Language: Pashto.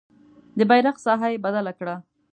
د بیرغ ساحه یې بدله کړه.